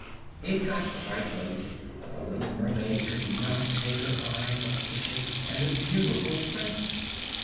It got quite late, but the little mermaid could not take her eyes off the ship and the beautiful prince.